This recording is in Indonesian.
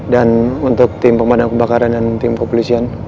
dan untuk tim pemadam kebakaran dan tim kepolisian